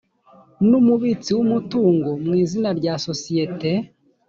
n umubitsi w umutungo mu izina rya sosiyete